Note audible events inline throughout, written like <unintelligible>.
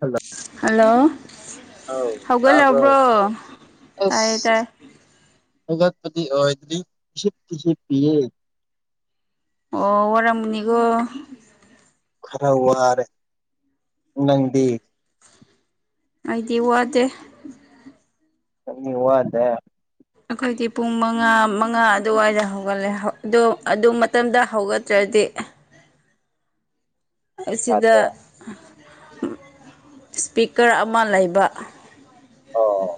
ꯍꯜꯂ ꯍꯜꯂꯣ ꯍꯧꯒꯠꯂꯔꯕ꯭ꯔꯣ ꯇꯥꯏꯌꯦ ꯇꯥꯏ ꯒꯠꯄꯗꯤ ꯑꯣꯏꯗꯗꯤꯁꯤꯁꯤꯞ ꯄꯤ ꯑꯣ ꯋꯥꯔꯃꯨꯅꯤꯒꯣ ꯈꯔ ꯋꯥꯔ ꯅꯗꯤ ꯑꯩꯗꯤ ꯋꯥꯗꯦ ꯋꯥꯗꯦ ꯑꯩꯈꯣꯏꯗꯤ ꯄꯨꯡ ꯃꯉꯥ ꯃꯉꯥ ꯑꯗꯨꯋꯥꯏꯗ ꯍꯧꯒꯠꯂꯦ ꯑꯗꯣ ꯑꯗꯨ ꯃꯇꯝꯗ ꯍꯧꯒꯠꯇ꯭ꯔ ꯗꯦ ꯁꯤꯗ ꯌꯥꯗ꯭ꯔꯦ ꯏꯁꯄꯤꯀꯔ ꯑꯃ ꯂꯩꯕ ꯑꯣ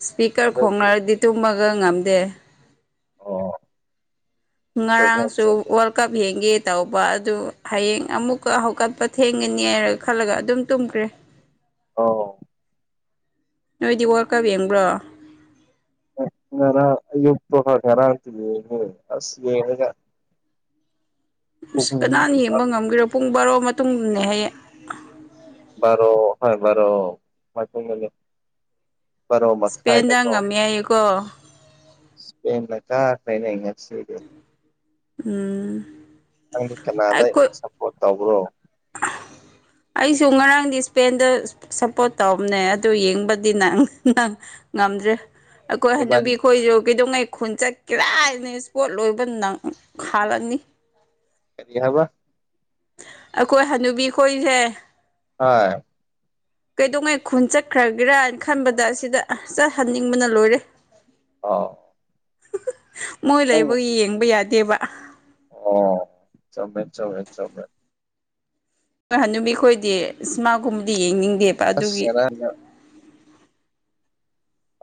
ꯏꯁꯄꯤꯀꯔ ꯑꯗꯨꯒꯤ ꯈꯣꯡꯅꯔꯗꯤ ꯇꯨꯝꯃꯒ ꯉꯝꯗꯦ ꯑꯣ ꯆꯨꯝꯃꯦ ꯉꯔꯥꯡꯁꯨ ꯆꯨꯝꯃꯦ ꯋꯥꯔꯜ ꯀꯞ ꯍꯦꯟꯒꯦ ꯇꯧꯕ ꯑꯗꯨ ꯍꯌꯦꯡ ꯑꯃꯨꯛꯀ ꯍꯧꯀꯠꯄ ꯊꯦꯡꯒꯅꯤꯅ ꯈꯜꯂꯒ ꯑꯗꯨꯝ ꯇꯨꯝꯈ꯭ꯔꯦ ꯑ ꯅꯣꯏꯗꯤ ꯋꯥꯔꯀꯞ ꯌꯦꯡꯕ꯭ꯔꯣ ꯉꯅꯥ ꯌꯨ ꯇ ꯈꯔ ꯌꯦ ꯑꯁ ꯌꯦ ꯀ ꯁ ꯀꯅꯥꯅ ꯌꯦꯡꯕ ꯉꯝꯒꯔꯣ ꯄꯨꯡ ꯕꯥꯔꯣ ꯃꯇꯨꯡꯅꯦ ꯍꯌꯦꯡ ꯔꯣ ꯍ ꯔꯣ ꯃꯦ ꯐꯔꯣ ꯃꯁ ꯏꯁꯄꯦꯟꯗ ꯈꯥꯏꯗꯀꯣ ꯉꯝꯃꯦ ꯍꯥꯏꯌꯦꯀꯣ ꯁꯄ ꯂ ꯀꯥꯩꯅ ꯁ ꯎꯝ ꯅꯪꯗꯤ ꯀꯅꯥꯅ ꯑꯩꯈꯣꯏ ꯁꯞꯄꯣꯔꯠ ꯇꯧꯕ꯭ꯔꯣ <unintelligible> ꯑꯩꯁꯨ ꯉꯔꯥꯡꯗꯤ ꯏꯁꯄꯦꯟꯗ ꯁꯞꯄꯣꯔꯠ ꯇꯧꯕꯅꯦ ꯑꯗꯨ ꯌꯦꯡꯕꯗꯤ ꯅꯪ ꯅꯪ ꯉꯝꯗ꯭ꯔꯦ ꯑꯩꯈꯣꯏ ꯏꯕꯥꯅꯤ ꯍꯅꯕꯤꯈꯣꯏꯁꯨ ꯀꯩꯗꯧꯉꯩ ꯈꯣꯟꯆꯠ ꯀꯔꯥꯏꯅ ꯏꯁꯄꯣꯠ ꯂꯣꯏꯕ ꯅꯪ ꯍꯥꯜꯂꯅꯤ ꯀꯔꯤ ꯍꯥꯕ ꯑꯩꯈꯣꯏ ꯍꯅꯨꯕꯤ ꯈꯣꯏꯁꯦ ꯑ ꯀꯩꯗꯧꯉꯩ ꯈꯨꯟ ꯆꯠꯈ꯭ꯔꯒꯦꯔꯅ ꯈꯟꯕꯗ ꯑꯁꯤꯗ ꯆꯠꯍꯟꯅꯤꯡꯕꯅ ꯂꯣꯏꯔꯦ ꯑꯥꯎ ꯃꯣꯏ ꯂꯩꯕ ꯌꯦꯡꯕ ꯌꯥꯗꯦꯕ ꯑꯣ ꯆꯃꯦ ꯆꯃꯦ ꯆꯃꯦ ꯍꯣꯏ ꯍꯅꯨꯃꯤ ꯑꯩꯈꯣꯏꯗꯤ ꯏꯁꯃꯥꯒꯨꯝꯕꯗꯤ ꯌꯦꯡꯅꯤꯡꯕ ꯐꯁꯦ ꯔ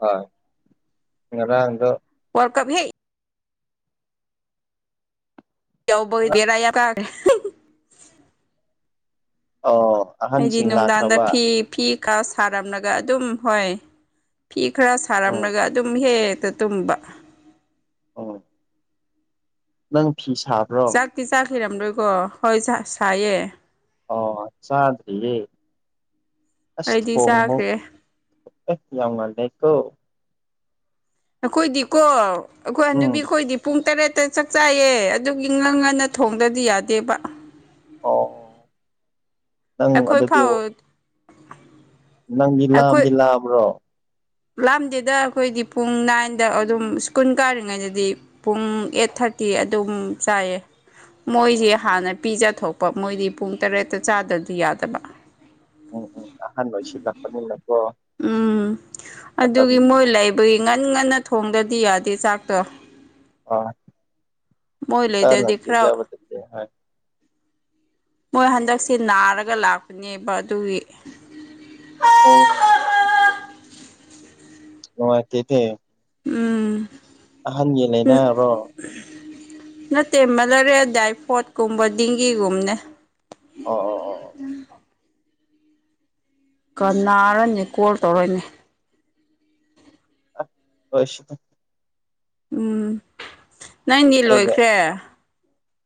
ꯍ ꯉ ꯑꯗꯣ ꯀꯕꯤ ꯌꯥꯎꯕꯩ ꯗꯔ ꯇꯥꯒ ꯑꯣ ꯑꯩꯗꯤ ꯑꯍꯟꯁꯤꯡ ꯅꯨꯡꯗꯥꯡꯗ ꯂꯥꯛꯈ꯭ꯔꯕ ꯐꯤ ꯐꯤ ꯀꯥ ꯁꯥꯔꯝꯂꯒ ꯑꯗꯨꯝ ꯍꯣꯏ ꯐꯤ ꯈꯔ ꯎꯝ ꯁꯥꯔꯝꯂꯒ ꯑꯗꯨꯝ ꯍꯦꯛ ꯍꯦꯛꯇ ꯇꯨꯝꯕ ꯑ ꯅꯪ ꯐꯤ ꯁꯥꯕ꯭ꯔꯣ ꯍꯩꯔꯝꯔꯣꯏꯀꯣ ꯍꯣꯏ ꯁꯥꯏꯌꯦ ꯑ ꯆꯗꯔꯤꯌꯦ ꯑꯁ ꯑꯩꯗꯤ ꯊꯣꯡꯕꯣ ꯆꯥꯈ꯭ꯔꯦ ꯌꯥꯝ ꯉꯥꯟ ꯂꯩꯦꯀꯣ ꯑꯩꯈꯣꯏꯗꯤꯀꯣ ꯑꯩꯈꯣꯏ ꯎꯝ ꯍꯥꯅꯨꯕꯤ ꯈꯣꯏꯗꯤ ꯄꯨꯡ ꯇꯔꯦꯠ ꯇ ꯆꯥꯛ ꯆꯥꯏꯌꯦ ꯑꯗꯨꯒꯤ ꯉꯪ ꯉꯟꯅ ꯊꯣꯡꯗꯗꯤ ꯌꯥꯗꯦꯕ ꯑꯣ ꯅꯪ ꯑꯩꯈꯣꯏ ꯑꯗꯨꯗꯤ ꯐꯥꯎ ꯅꯪꯗꯤ ꯑꯩꯈꯣꯏ ꯂꯥꯝꯗꯤ ꯂꯥꯝꯕ꯭ꯔꯣ ꯂꯥꯝꯗꯦꯗ ꯑꯩꯈꯣꯏꯗꯤ ꯄꯨꯡ ꯅꯥꯏꯟꯗ ꯑꯗꯨꯝ ꯁ꯭ꯀꯨꯜ ꯀꯥꯔꯤꯉꯩꯗꯗꯤ ꯄꯨꯡ ꯑꯩꯠ ꯊꯥꯔ ꯇꯤ ꯑꯗꯨꯝ ꯆꯥꯏꯌꯦ ꯃꯣꯏꯁꯦ ꯑꯣ ꯍꯥꯟꯅ ꯄꯤꯖꯊꯣꯛꯄ ꯃꯣꯏꯗꯤ ꯄꯨꯡ ꯇꯔꯦꯠꯇ ꯆꯥꯗꯗꯤ ꯌꯥꯗꯕ ꯎꯝ ꯎꯝ ꯑꯍꯥꯟꯕ ꯁꯤꯂꯥꯛꯄꯅꯤ ꯂꯩ ꯎꯝ ꯑꯗꯨꯒꯤ ꯃꯣꯏ ꯂꯩꯕꯒꯤ ꯉꯟ ꯉꯟꯅ ꯊꯣꯡꯗ꯭ꯔꯗꯤ ꯌꯥꯗꯦ ꯆꯥꯛꯇꯣ ꯑ ꯃꯣꯏ ꯑꯦꯟꯖꯥꯡ ꯂꯩꯗꯗꯤ ꯅꯥꯄꯤ ꯈꯔ ꯆꯥꯕꯥ ꯆꯠꯁꯦ ꯍꯥꯏ ꯃꯣꯏ ꯍꯟꯗꯛꯁꯦ ꯅꯥꯔꯒ ꯂꯥꯛꯄꯅꯦꯕ ꯑꯗꯨꯒꯤ ꯑꯣ ꯅꯨꯡꯉꯥꯏ ꯇꯦꯇꯦ ꯎꯝ ꯑꯍꯟꯒꯤ ꯂꯩꯅꯥꯔꯣ ꯅꯠꯇꯦ ꯃꯜꯂꯔꯦ ꯗꯥꯏꯐꯣꯠꯀꯨꯝꯕ ꯗꯤꯦꯡꯒꯤꯒꯨꯝꯅꯦ ꯑꯥ ꯑ ꯑꯥ ꯀꯅꯥꯔꯅꯦ ꯀꯣꯜ ꯇꯧꯔꯅꯤ ꯑꯁ ꯎꯝ ꯅꯪꯗꯤ ꯑꯩꯒ ꯂꯣꯏꯈ꯭ꯔꯦ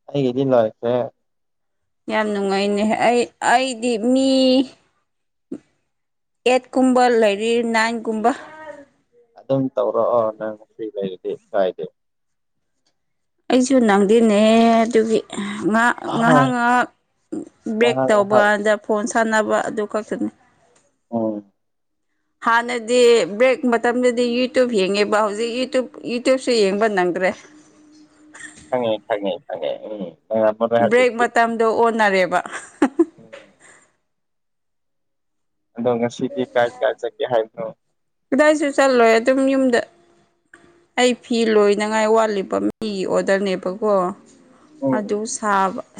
ꯑꯩꯒꯤꯗꯤ ꯂꯣꯏꯈꯔꯦ ꯌꯥꯝ ꯅꯨꯡꯉꯥꯏꯅꯦ ꯑꯩ ꯑꯩꯗꯤ ꯃꯤ ꯑꯦꯠ ꯀꯨꯝꯕ ꯂꯩꯔꯤ ꯅꯥꯏꯟꯒꯨꯝꯕ ꯑꯗꯨꯝ ꯇꯧꯔꯛꯑꯣ ꯅꯪ ꯉꯁꯤ ꯂꯩꯔꯗꯤ ꯀꯥꯏꯗꯦ ꯑꯩꯁꯨ ꯅꯪꯗꯤꯅꯦ ꯑꯗꯨꯒꯤ ꯉꯍꯥꯛ ꯉꯥꯏꯍꯥꯛ ꯍꯣꯏ ꯉꯥꯏꯍꯥꯛ ꯕꯦꯛ ꯉꯥꯏꯍꯥꯛ ꯉꯥꯏꯍꯥꯛ ꯇꯧꯕꯥꯗ ꯐꯣꯟ ꯁꯥꯟꯅꯕ ꯑꯗꯨ ꯈꯛꯇꯅꯤ ꯍꯣꯏ ꯍꯥꯟꯅꯗꯤ ꯕ꯭ꯔꯦꯛ ꯃꯇꯝꯗꯗꯤ ꯌꯨꯇꯨꯕ ꯌꯦꯡꯉꯦꯕ ꯍꯧꯖꯤꯛ ꯌꯨꯇ ꯌꯨꯇꯨꯞꯁꯨ ꯌꯦꯡꯕ ꯅꯪ ꯇ꯭ꯔꯦ ꯈꯪꯉꯦ ꯈꯪꯉꯦ ꯈꯪꯉꯦ ꯑꯩ ꯕ꯭ꯔꯦꯛ ꯃꯇꯝꯗꯣ ꯑꯣꯟꯅꯔꯦꯕ ꯎꯝ ꯑꯗꯣ ꯉꯁꯤꯗꯤ ꯀꯂ꯭ꯥꯁ ꯀꯌꯥ ꯆꯠꯀꯦ ꯍꯥꯏꯕ꯭ꯔꯣ ꯀꯗꯥꯏꯁꯨ ꯆꯠꯂꯣꯏ ꯑꯗꯨꯝ ꯌꯨꯝꯗ ꯑꯩ ꯐꯤ ꯂꯣꯏꯅꯉꯥꯏ ꯋꯥꯠꯂꯤꯕ ꯃꯤꯒꯤ ꯑꯣꯗꯔꯅꯦꯕꯀꯣ ꯎꯝ ꯑꯗꯨ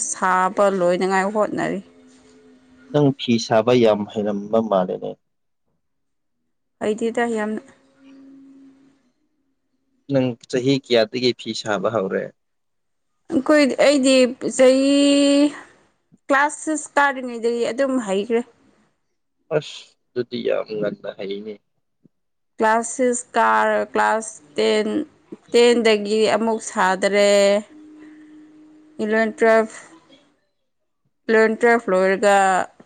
ꯁꯥꯕ ꯂꯣꯏꯅꯉꯥꯏ ꯍꯣꯠꯅꯔꯤ ꯅꯪ ꯐꯤ ꯁꯥꯕ ꯌꯥꯝ ꯍꯩꯔꯝꯕ ꯃꯥꯂꯦꯅꯦ ꯑꯩꯗꯤꯗ ꯌꯥꯝ ꯅꯪ ꯆꯍꯤ ꯀꯌꯥꯗꯒꯤ ꯐꯤ ꯁꯥꯕ ꯍꯧꯔꯦ ꯑꯩꯈꯣꯏꯗꯤ ꯑꯩꯗꯤ ꯆꯍꯤ ꯀ꯭ꯂꯥꯁ ꯁꯤꯛꯁ ꯀꯥꯔꯤꯉꯩꯗꯒꯤ ꯑꯗꯨꯝ ꯍꯩꯈ꯭ꯔꯦ ꯑꯁ ꯗꯨꯗꯤ ꯉꯟꯅ ꯍꯩꯅꯦ ꯀ꯭ꯂꯥꯁ ꯁꯤꯛꯁ ꯀꯥꯔ ꯀ꯭ꯂꯥꯁ ꯇꯦꯟ ꯇꯦꯟꯗꯒꯤ ꯑꯃꯨꯛ ꯁꯥꯗꯔꯦ <inaudible> ꯏꯂꯚꯦꯟ ꯇ꯭ꯨꯋꯦꯜꯚ ꯏꯂꯚꯦꯟ ꯇ꯭ꯋꯦꯜꯚ ꯂꯣꯏꯔꯒ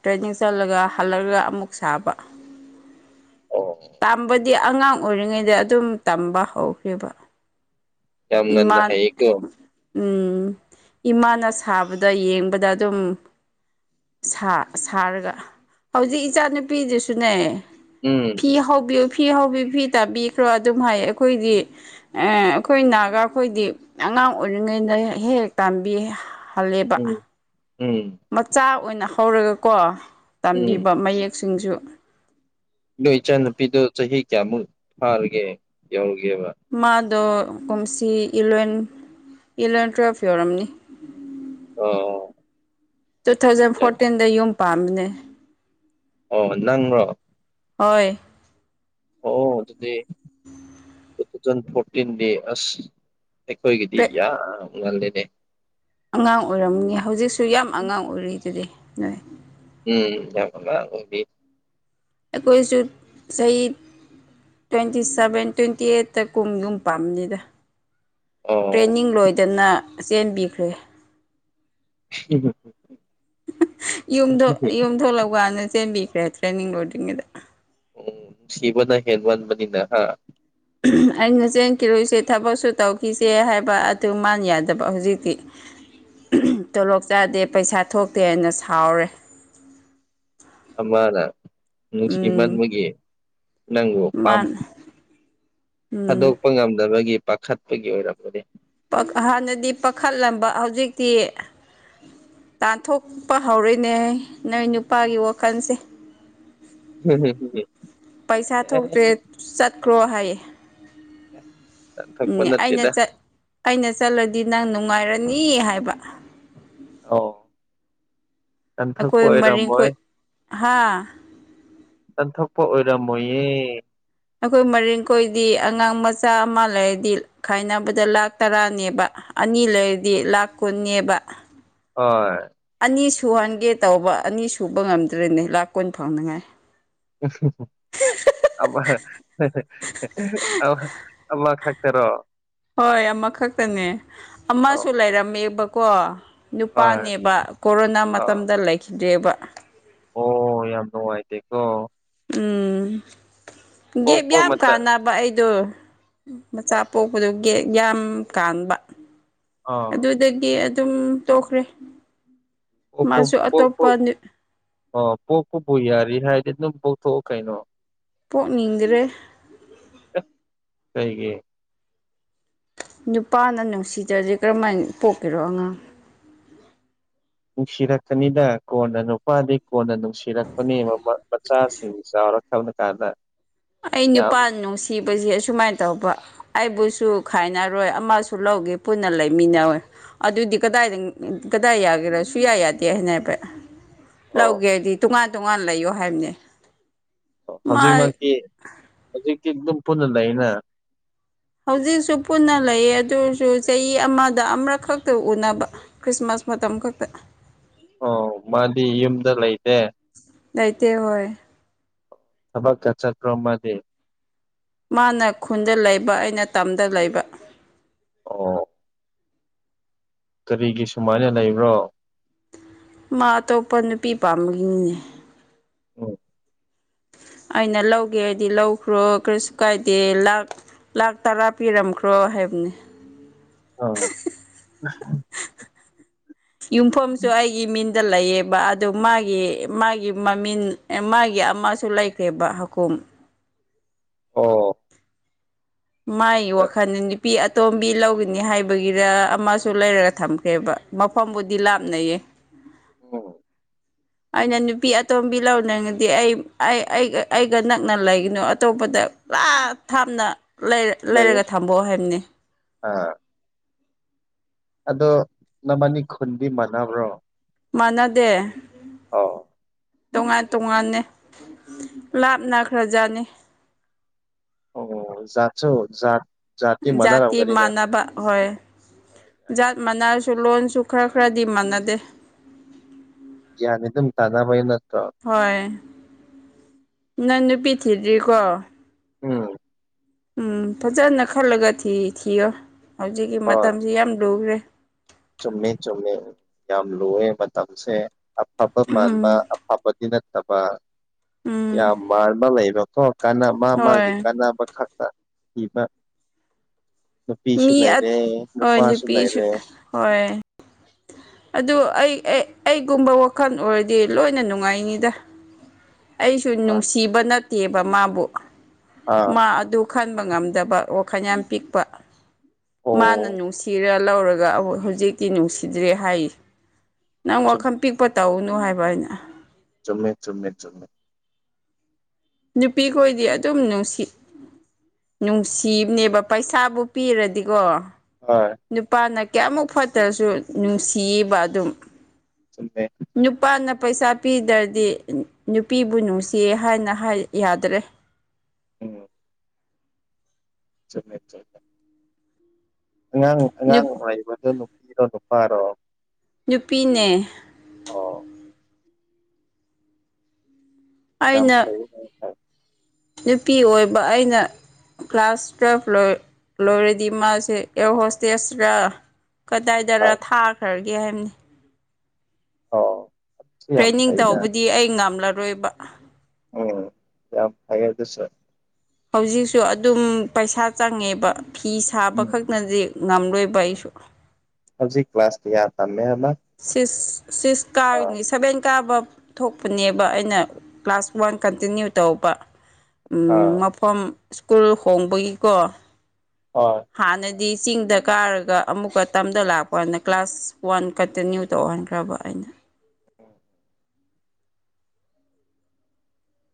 ꯇ꯭ꯔꯦꯟꯅꯤꯡ ꯆꯠꯂꯒ ꯍꯜꯂꯛꯂꯒ ꯑꯃꯨꯛ ꯁꯥꯕ ꯑꯣ ꯇꯝꯕꯗꯤ ꯑꯉꯥꯡ ꯑꯣꯏꯔꯤꯉꯩꯗ ꯑꯗꯨꯝ ꯇꯝꯕ ꯍꯧꯈ꯭ꯔꯦꯕ ꯌꯥꯝ ꯉꯟꯅ ꯏꯃꯥ ꯍꯩꯌꯦꯀꯣ ꯎꯝ ꯏꯃꯥꯅ ꯁꯥꯕꯗ ꯌꯦꯡꯕꯗ ꯑꯗꯨꯝ ꯁꯥ ꯁꯥꯔꯒ ꯍꯨꯖꯤꯛ ꯏꯆꯥ ꯅꯨꯨꯄꯤꯗꯨꯁꯨꯅꯦ ꯎꯝ ꯐꯤ ꯍꯧꯒꯦ ꯐꯤ ꯍꯧꯕꯤ ꯐꯤ ꯇꯥꯕꯤꯈ꯭ꯔꯣ ꯑꯗꯨꯝ ꯍꯥꯏ ꯑꯩꯈꯣꯏꯗꯤ ꯑꯦ ꯑꯩꯈꯣꯏ ꯅꯥ ꯗꯨꯒ ꯑꯩꯈꯣꯏꯗꯤ ꯑꯉꯥꯡ ꯑꯣꯏꯔꯤꯉꯩꯗ ꯍꯦꯛ ꯍꯦꯛ ꯇꯥꯟꯕꯤꯍꯜꯂꯦꯕ ꯎꯝ ꯎꯝ ꯃꯆꯥ ꯑꯣꯏꯅ ꯍꯧꯔꯒꯀꯣ ꯎꯝ ꯇꯝꯕꯤꯕ ꯃꯌꯦꯛꯁꯤꯡꯁꯨ ꯅꯣꯏ ꯏꯆꯟ ꯅꯨꯨꯄꯤꯗꯣ ꯆꯍꯤ ꯀꯌꯥꯃꯨꯛ ꯐꯥꯔꯒꯦ ꯌꯧꯔꯒꯦꯕ ꯂꯣ ꯀꯨꯝꯁꯤ ꯏꯂꯚꯦꯟ ꯏꯂꯚꯦꯟ ꯇ꯭ꯋꯦꯜꯐ ꯌꯧꯔꯝꯅꯤ ꯑꯣ ꯇꯨ ꯊꯥꯎꯖꯟ ꯌꯥꯏ ꯐꯣꯔꯇꯤꯟꯗ ꯌꯨꯝ ꯄꯥꯟꯕꯅꯦ ꯑꯣ ꯅꯪꯂꯣ ꯍꯣꯏ ꯑꯣ ꯑꯗꯨꯗꯤ <inaudible> ꯇꯨ ꯊꯥꯎꯖꯟ ꯐꯣꯔꯇꯤꯟꯗꯤ ꯑꯁ ꯑꯩꯈꯣꯏꯒꯤꯗꯤ ꯌꯥꯝ ꯉꯜꯂꯤꯅꯦ ꯑꯉꯥꯡ ꯑꯣꯏꯔꯝꯒꯅꯤ ꯍꯧꯖꯤꯛꯁꯨ ꯌꯥꯝ ꯑꯉꯥꯡ ꯑꯣꯏꯔꯤꯗꯨꯗꯤ ꯅꯣꯏ ꯎꯝ ꯌꯥꯝ ꯑꯉꯥꯡ ꯑꯣꯏꯔꯤ ꯑꯩꯈꯣꯏꯁꯨ ꯆꯍꯤ ꯇ꯭ꯋꯦꯟꯇꯤ ꯁꯚꯦꯟ ꯇ꯭ꯋꯦꯟꯇꯤ ꯑꯩꯠꯇ ꯀꯨꯝ ꯌꯨꯝ ꯄꯥꯝꯅꯤꯗ ꯑꯣ ꯇ꯭ꯔꯦꯟꯅꯤꯡ ꯂꯣꯏꯗꯅ ꯆꯦꯟꯕꯤꯈ꯭ꯔꯦ <unintelligible> ꯌꯨꯝꯗꯣ ꯌꯨꯝ ꯊꯣꯂꯛꯄꯀꯥꯟꯗ ꯆꯦꯟꯕꯤꯈ꯭ꯔꯦ ꯇ꯭ꯔꯦꯟꯅꯤꯡ ꯂꯣꯏꯗ꯭ꯔꯤꯉꯩꯗ ꯎꯝ ꯅꯨꯡꯁꯤꯕꯅ ꯍꯦꯟꯃꯟꯕꯅꯤꯅ ꯍꯥ <unintelligible> ꯑꯩꯅ ꯆꯦꯟꯈꯤꯔꯣꯏꯁꯦ ꯊꯕꯛꯁꯨ ꯇꯧꯈꯤꯁꯦ ꯍꯥꯏꯕ ꯑꯗꯨ ꯃꯥꯅ ꯌꯥꯗꯕ ꯍꯧꯖꯤꯛꯇꯤ ꯇꯣꯂꯣꯞ ꯆꯥꯗꯦ ꯄꯩꯁꯥ ꯊꯣꯛꯇꯦ ꯍꯥꯏꯅ ꯁꯥꯎꯔꯦ ꯑꯃꯅ ꯎꯝ ꯅꯨꯡꯁꯤꯃꯟꯕꯒꯤ ꯅꯪꯕꯨ ꯄꯥꯝ ꯃꯥꯅ ꯎꯝ ꯊꯥꯗꯣꯛꯄ ꯉꯝꯗꯕꯒꯤ ꯄꯥꯈꯠꯄꯒꯤ ꯑꯣꯏꯔꯝꯒꯅꯦ ꯄꯛ ꯍꯥꯟꯅꯗꯤ ꯄꯥꯈꯠꯂꯝꯕ ꯍꯧꯖꯤꯛꯇꯤ ꯇꯥꯟꯊꯣꯛꯄ ꯍꯧꯔꯦꯅꯦꯍꯦ ꯅꯣꯏ ꯅꯨꯄꯥꯒꯤ ꯋꯥꯈꯟꯁꯦ <unintelligible> ꯄꯩꯁꯥ ꯑꯦ ꯊꯣꯛꯇ꯭ꯔꯦ ꯆꯠꯈ꯭ꯔꯣ ꯍꯥꯏꯌꯦ ꯇꯥꯟꯊꯣꯛꯄ ꯎꯝ ꯑꯩꯅ ꯅꯠꯇꯦꯗ ꯆꯠ ꯑꯩꯅ ꯆꯠꯂꯗꯤ ꯅꯪ ꯅꯨꯡꯉꯥꯏꯔꯅꯤ ꯍꯥꯏꯕ ꯑꯣ ꯇꯥꯟꯊꯣꯛꯄ ꯑꯩꯈꯣꯏ ꯑꯣꯏꯔꯝꯃꯣꯏ ꯃꯔꯤꯡꯈꯣꯏ ꯍꯥ ꯇꯥꯟꯊꯣꯛ ꯄ ꯑꯣꯏꯔꯝꯃꯣꯏꯌꯦ ꯑꯩꯈꯣꯏ ꯃꯔꯤꯡ ꯈꯣꯏꯗꯤ ꯑꯉꯥꯡ ꯃꯆꯥ ꯑꯃ ꯂꯩꯔꯗꯤ ꯈꯥꯏꯅꯕꯗ ꯂꯥꯛ ꯇꯔꯥꯅꯦꯕ ꯑꯅꯤ ꯂꯩꯔꯗꯤ ꯂꯥꯛ ꯀꯨꯟꯅꯦꯕ ꯍꯣꯏ ꯑꯅꯤ ꯁꯨꯍꯟꯒꯦ ꯇꯧꯕ ꯑꯅꯤ ꯁꯨꯕ ꯉꯝꯗ꯭ꯔꯦꯅꯦ ꯂꯥꯛ ꯀꯨꯟ ꯐꯪꯅꯉꯥꯏ ꯑꯃ ꯑꯃ ꯑꯃꯈꯛ ꯇꯔꯣ ꯍꯣꯏ ꯑꯃꯈꯛꯇꯅꯦ ꯑꯃꯁꯨ ꯑꯣ ꯂꯩꯔꯝꯃꯦꯕꯀꯣ ꯍꯣꯏ ꯅꯨꯄꯥꯅꯦꯕ ꯀꯣꯔꯣꯅꯥ ꯑꯥ ꯃꯇꯝꯗ ꯂꯩꯈꯤꯗ꯭ꯔꯦꯕ ꯑꯣ ꯌꯥꯝ ꯅꯨꯡꯉꯥꯏꯇꯦꯀꯣ ꯎꯝ ꯒꯦꯞ ꯄꯣꯛꯄ ꯌꯥꯝ ꯃꯇꯝ ꯀꯥꯟꯅꯕ ꯑꯩꯗꯣ ꯃꯆꯥ ꯄꯣꯛꯄꯗꯨ ꯌꯥꯝ ꯀꯥꯟꯕ ꯑꯥ ꯑꯗꯨꯗꯒꯤ ꯑꯗꯨꯝ ꯇꯣꯛꯈ꯭ꯔꯦ ꯃꯥꯁꯨ ꯑꯇꯣꯞꯄ ꯅꯨ ꯑꯣ ꯄꯣꯛꯄꯕꯨ ꯌꯥꯔꯤ ꯍꯥꯏꯗꯤ ꯑꯗꯨꯝ ꯄꯣꯛꯊꯣꯛꯎ ꯀꯩꯅꯣ ꯄꯣꯛꯅꯤꯡꯗ꯭ꯔꯦ ꯑꯦ ꯀꯩꯒꯤ ꯅꯨꯄꯥꯅ ꯅꯨꯡꯁꯤꯗ꯭ꯔꯗꯤ ꯀꯔꯝꯍꯥꯏꯅ ꯄꯣꯛꯀꯦꯔꯣ ꯑꯉꯥꯡ ꯅꯨꯡꯁꯤꯔꯛꯀꯅꯤꯗ ꯀꯣꯟꯅ ꯅꯨꯄꯥꯗꯤ ꯀꯣꯟꯅ ꯅꯨꯡꯁꯤꯔꯛꯄꯅꯤ ꯃꯄꯥ ꯃꯆꯥꯁꯤꯡ ꯆꯥꯎꯔ ꯅ ꯀꯔꯗ ꯑꯩ ꯅꯨꯄꯥ ꯅꯨꯡꯁꯤꯕꯁꯦ ꯑꯁꯨꯃꯥꯏꯅ ꯇꯧꯕ ꯑꯩꯕꯨꯁꯨ ꯈꯥꯏꯅꯔꯣꯏ ꯑꯃꯁꯨ ꯂꯧꯒꯦ ꯄꯨꯟꯅ ꯂꯩꯃꯤꯟꯅꯧꯌꯦ ꯑꯗꯨꯗꯤ ꯀꯗꯥꯏꯗ ꯀꯗꯥꯏ ꯌꯥꯒꯦꯔꯥ ꯁꯨꯌꯥ ꯌꯥꯗꯦ ꯍꯥꯏꯅꯕ ꯑꯣ ꯂꯧꯒꯦꯗꯤ ꯇꯣꯉꯥꯟ ꯇꯣꯉꯥꯟꯅ ꯂꯩꯌꯣ ꯍꯥꯏꯕꯅꯦ ꯃꯥ ꯍꯧꯖꯤꯛꯃꯛꯀꯤ ꯍꯧꯖꯤꯛꯇ ꯑꯗꯨꯝ ꯄꯨꯟꯅ ꯂꯩꯅ ꯍꯧꯖꯤꯛꯁꯨ ꯄꯨꯟꯅ ꯂꯩꯌꯦ ꯑꯗꯨꯁꯨ ꯆꯍꯤ ꯑꯃꯗ ꯑꯃꯔꯈꯛꯇ ꯎꯅꯕ ꯈ꯭ꯔꯤꯁꯃꯥꯁ ꯃꯇꯝꯈꯛꯇ ꯑꯣ ꯃꯥꯗꯤ ꯌꯨꯝꯗ ꯂꯩꯇꯦ ꯂꯩꯇꯦ ꯍꯣꯏ ꯊꯕꯛ ꯀ ꯆꯠꯄ꯭ꯔꯣ ꯃꯥꯗꯤ ꯃꯥꯅ ꯈꯨꯟꯗ ꯂꯩꯕ ꯑꯩꯅ ꯇꯝꯗ ꯂꯩꯕ ꯑꯣ ꯀꯔꯤꯒꯤ ꯁꯨꯃꯥꯏꯅ ꯂꯩꯕ꯭ꯔꯣ ꯃꯥ ꯑꯇꯣꯞꯄ ꯅꯨꯄꯤ ꯄꯥꯝꯕꯒꯤꯅꯤꯅꯦ ꯎꯝ ꯑꯩꯅ ꯂꯧꯒꯦ ꯍꯥꯏꯗꯤ ꯂꯧꯈ꯭ꯔꯣ ꯀꯔꯤꯁꯨ ꯀꯥꯏꯗꯦ ꯂꯥꯛ ꯂꯥꯛ ꯇꯔꯥ ꯄꯤꯔꯝꯈ꯭ꯔꯣ ꯍꯥꯏꯕꯅꯤ ꯑꯝ ꯌꯨꯝꯐꯝꯁꯨ ꯑꯩꯒꯤ ꯃꯤꯟ ꯗ ꯂꯩꯌꯦꯕ ꯑꯗꯨ ꯃꯥꯒꯤ ꯃꯥꯒꯤ ꯃꯃꯤꯟ ꯑꯦ ꯃꯥꯒꯤ ꯑꯃꯁꯨ ꯂꯩꯈ꯭ꯔꯦꯕ ꯍꯀꯨꯝ ꯑꯟꯑꯣꯗꯤꯕꯜ ꯑꯣ ꯃꯥꯥꯏ ꯋꯥꯈꯜꯅꯤꯡꯗꯤ ꯅꯨꯄꯤ ꯑꯇꯣꯝꯕꯤ ꯂꯧꯒꯅꯤ ꯍꯥꯏꯕꯒꯤꯔ ꯑꯃꯁꯨ ꯂꯩꯔꯒ ꯊꯝꯈ꯭ꯔꯦꯕ ꯃꯐꯝꯕꯨꯗꯤ ꯂꯥꯞꯅꯩꯌꯦ ꯑꯟꯑꯣꯗꯤꯕꯜ ꯑꯣ ꯑꯩꯅ ꯅꯨꯄꯤ ꯑꯇꯣꯝꯕꯤ ꯂꯧꯅꯤꯡꯉꯗꯤ ꯑꯩ ꯑꯩ ꯑꯩꯒ ꯅꯛꯅ ꯂꯩꯒꯅꯨ ꯑꯇꯣꯞꯄꯗ ꯂꯥꯞ ꯊꯥꯝꯅ ꯂꯩꯔ ꯂꯩꯌꯦ ꯂꯩꯔꯒ ꯊꯝꯕꯣ ꯍꯥꯏꯕꯅꯤ ꯑꯥ ꯑꯗꯣ ꯅꯕꯥꯅꯤ ꯈꯨꯟꯗꯤ ꯃꯥꯟꯅꯕ꯭ꯔꯣ ꯃꯥꯟꯅꯗꯦ ꯑꯣ ꯇꯣꯉꯥꯟ ꯇꯣꯉꯥꯟꯅꯦ ꯂꯥꯞꯅꯈ꯭ꯔꯖꯥꯠꯅꯤ ꯑꯣ ꯖꯥꯠꯁꯨ ꯖꯥꯠ ꯖꯥꯠꯇꯤ ꯖꯥꯇꯤ ꯃꯥꯟꯅꯔꯝꯒꯅꯤꯗ ꯃꯥꯟꯅꯕ ꯍꯣꯏ ꯖꯥꯠ ꯃꯥꯟꯅꯔꯁꯨ ꯂꯣꯟꯁꯨ ꯈꯔ ꯈꯔꯗꯤ ꯃꯥꯟꯅꯗꯦ ꯒ꯭ꯥꯟ ꯌꯑꯗꯨꯝ ꯇꯥꯅꯕꯩ ꯅꯠꯇ꯭ꯔꯣ ꯅ ꯅꯨꯄꯤ ꯊꯤꯗ꯭ꯔꯤꯀꯣ ꯎꯝ ꯎꯝ ꯐꯖꯅ ꯈꯜꯂꯒꯤ ꯊꯤ ꯊꯤꯌꯣ ꯍꯧꯖꯤꯛꯀꯤ ꯍꯣꯏ ꯃꯇꯝꯁꯤ ꯌꯥꯝ ꯂꯨꯈ꯭ꯔꯦ ꯆꯨꯝꯃꯦ ꯆꯨꯝꯃꯦ ꯌꯥꯝ ꯂꯨꯋꯦ ꯃꯇꯝꯁꯦ ꯑꯐꯕ ꯃꯥꯟꯕ ꯎꯝ ꯑꯐꯕꯗꯤ ꯅꯠꯇꯕ ꯎꯝ ꯌꯥꯝ ꯃꯥꯟꯕ ꯂꯩꯕ ꯈꯀꯣ ꯀ ꯃꯥ ꯃꯥꯒꯤ ꯍꯣꯏ ꯀꯥꯅꯕ ꯈꯛꯇ ꯊꯤꯕ ꯅꯨꯄꯤꯁꯨ ꯃꯤ ꯂꯩꯔꯦ ꯍꯣꯏ ꯅꯨꯄꯥꯁꯨ ꯅꯨꯄꯤꯁꯨ ꯂꯩꯔꯦ ꯍꯣꯏ ꯑꯗꯨ ꯑꯩ ꯑꯩꯒꯨꯝꯕ ꯋꯥꯈꯜ ꯑꯣꯏꯔꯗꯤ ꯂꯣꯏꯅ ꯅꯨꯡꯉꯥꯏꯅꯤꯗ ꯑꯩꯁꯨ ꯑ ꯅꯨꯡꯁꯤꯕ ꯅꯠꯇꯦꯕ ꯃꯥꯕꯨ ꯑꯥ ꯃꯥ ꯑꯗꯨ ꯈꯟꯕ ꯉꯝꯗꯕ ꯋꯥꯈ ꯌꯥꯝ ꯄꯤꯄ ꯃꯥꯅ ꯑꯣ ꯅꯨꯡꯁꯤꯔ ꯂꯧꯔꯒ ꯑꯧ ꯍꯧꯖꯤꯛꯇꯤ ꯅꯨꯡꯁꯤꯗ꯭ꯔꯦ ꯍꯥꯏ ꯅꯪ ꯋꯥꯈꯜ ꯆꯨꯝꯃꯦ ꯄꯤꯛꯄ ꯇꯧꯅꯨ ꯍꯥꯏꯕ ꯑꯩꯅ ꯆꯨꯝꯃꯦ ꯆꯨꯝꯃꯦ ꯆꯨꯝꯃꯦ ꯅꯨꯄꯤꯈꯣꯏꯗꯤ ꯑꯗꯨꯝ ꯅꯨꯡꯁꯤ ꯅꯨꯡꯁꯤꯕꯅꯦꯕ ꯄꯩꯁꯥꯕꯨ ꯄꯤꯔꯗꯤꯀꯣ ꯍꯣꯏ ꯅꯨꯄꯥꯅ ꯀꯌꯥꯃꯨꯛ ꯐꯠꯇ꯭ꯔꯁꯨ ꯅꯨꯡꯁꯤꯌꯦꯕ ꯑꯗꯨꯝ ꯆꯨꯝꯃꯦ ꯅꯨꯄꯥꯅ ꯄꯩꯁꯥ ꯄꯤꯗ꯭ꯔꯗꯤ ꯅꯨꯄꯤꯕꯨ ꯅꯨꯡꯁꯤꯌꯦ ꯍꯥꯏꯅ ꯍꯥꯏ ꯌꯥꯗ꯭ꯔꯦ ꯎꯝ ꯆꯨꯝꯃꯦ ꯆꯨꯝꯃꯦ ꯅꯪ ꯅꯪ ꯅꯨꯞ ꯍꯥꯏꯕꯗꯨ ꯅꯨꯄꯤꯔꯣ ꯅꯨꯄꯥꯔꯣ ꯅꯨꯄꯤꯅꯦ ꯑꯣ ꯌꯥꯝ ꯑꯩꯅ ꯐꯩꯑꯅꯦ ꯅꯪꯗꯤ ꯅꯨꯄꯤ ꯑꯣꯏꯕ ꯑꯩꯅ ꯀ꯭ꯂꯥꯁ ꯇꯨꯋꯦꯜꯐ ꯂꯣꯏ ꯂꯣꯏꯔꯗꯤ ꯃꯥꯁꯦ ꯑꯦꯔ ꯍꯣꯁꯇꯦꯁꯔ ꯀꯗꯥꯏꯗꯔ ꯑꯥ ꯊꯥꯈ꯭ꯔꯒꯦ ꯍꯥꯏꯕꯅꯤ ꯑꯣ ꯁꯤ ꯌꯥꯝ ꯇ꯭ꯔꯦꯅꯤꯡ ꯐꯩꯗ ꯇꯧꯕꯗꯤ ꯑꯩ ꯉꯝꯂꯔꯣꯏꯕ ꯎꯝ ꯌꯥꯝ ꯍꯥꯏꯌꯦ ꯑꯗꯨꯁꯨꯦ ꯍꯧꯖꯤꯛꯁꯨ ꯑꯗꯨꯝ ꯄꯩꯁꯥ ꯆꯪꯉꯦꯕ ꯐꯤ ꯁꯥꯕ ꯎꯝ ꯈꯛꯅꯗꯤ ꯉꯝꯔꯪꯏꯕ ꯑꯩꯁꯨ ꯍꯧꯖꯤꯛ ꯀꯥꯁ ꯀꯃꯥꯏꯅ ꯇꯝꯃꯤ ꯁꯤꯁ ꯁꯤꯁ ꯑꯥ ꯀꯥꯔꯅꯤ ꯁꯕꯦꯡ ꯀꯥꯕꯝ ꯊꯣꯛꯄꯅꯦꯕ ꯑꯩꯅ ꯀ꯭ꯂꯥꯁ ꯋꯥꯟ ꯀꯟꯇꯤꯅ꯭ꯌꯨ ꯇꯧꯕ ꯎ ꯑꯥ ꯃꯐꯝ ꯁ꯭ꯀꯨꯜ ꯍꯣꯡꯕꯒꯤꯀꯣ ꯍꯣꯏ ꯍꯥꯟꯅꯗ ꯗꯤ ꯆꯤꯡꯗ ꯀꯥꯔꯒ ꯑꯃꯨꯛꯀ ꯇꯝꯗ ꯂꯥꯛꯄꯅ ꯀ꯭ꯂꯥꯁ ꯋꯥꯟ ꯀꯟꯇꯤꯅ꯭ꯌꯨ ꯇꯧꯍꯟꯈ꯭ꯔꯕ ꯑꯩꯅ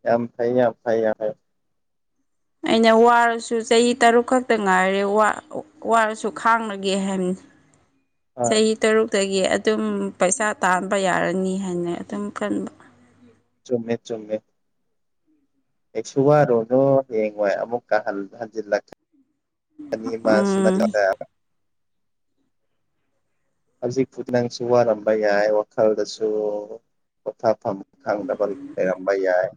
ꯌꯥꯝ ꯐꯩ ꯌꯥꯝ ꯐꯩ ꯍꯥꯏ ꯑꯩꯅ ꯋꯥꯔꯁꯨ ꯆꯍꯤ ꯇꯔꯨꯛ ꯈꯛꯇ ꯉꯥꯏꯔꯦ ꯋꯥ ꯋꯥꯔꯁꯨ ꯈꯥꯡꯂꯒꯦ ꯍꯥꯏꯅꯤ ꯍꯣꯏ ꯆꯍꯤ ꯇꯔꯨꯛ ꯇꯒꯤ ꯑꯗꯨꯝ ꯄꯩꯁꯥ ꯇꯥꯟꯕ ꯌꯥꯔꯅꯤ ꯍꯥꯏꯅ ꯑꯗꯨꯝ ꯈꯟꯕ ꯆꯨꯝꯃꯦ ꯆꯨꯝꯃꯦ ꯀꯩꯁꯨ ꯋꯥꯔꯨꯅꯨ ꯍꯌꯥꯡꯋꯥꯏ ꯑꯃꯨꯛꯀ ꯍꯟꯖꯤꯜꯂꯛ ꯑꯅꯤ ꯃꯥꯁꯨ ꯎꯝ ꯃꯅ ꯍꯧꯖꯤꯛꯄ ꯅꯪꯁꯨ ꯋꯥꯔꯝꯕ ꯌꯥꯏ ꯋꯥꯈꯜꯗꯁꯨ ꯄꯣꯊꯥꯐꯝ ꯈꯪꯗꯕ ꯂꯩꯔꯝꯕ ꯌꯥꯏ